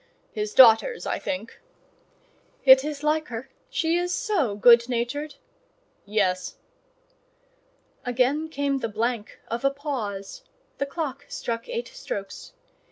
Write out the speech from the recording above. "His daughter's, I think." "It is like her: she is so good natured." "Yes." Again came the blank of a pause: the clock struck eight strokes.